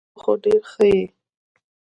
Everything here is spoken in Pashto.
ته خو ډير ښه يي .